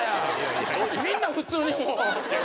みんな普通にもう。